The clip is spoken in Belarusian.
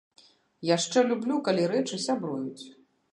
Яшчэ люблю, калі рэчы сябруюць.